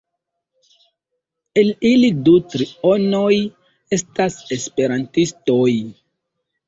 El ili du trionoj estas esperantistoj.